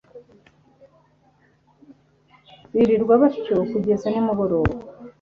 birirwa batyo kugeza nimugoroba